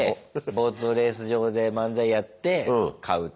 ボートレース場で漫才やって買うと。